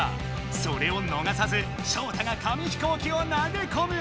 それをのがさずショウタが紙飛行機を投げこむ！